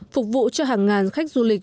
phục vụ cho hàng ngàn khách du lịch